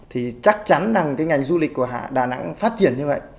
thì chắc chắn rằng cái ngành du lịch của đà nẵng phát triển như vậy